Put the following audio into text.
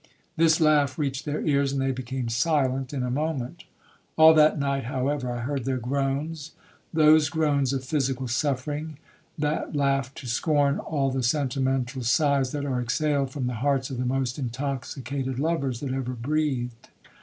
This laugh reached their ears, and they became silent in a moment. All that night, however, I heard their groans,—those groans of physical suffering, that laugh to scorn all the sentimental sighs that are exhaled from the hearts of the most intoxicated lovers that ever breathed.